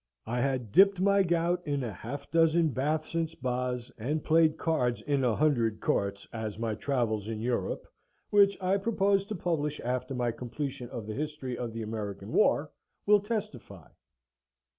I had dipped my gout in a half dozen baths and spas, and played cards in a hundred courts, as my Travels in Europe (which I propose to publish after my completion of the History of the American War) will testify.